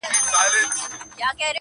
ستا پۀ وادۀ كې جېنكو بېګاه چمبه وهله,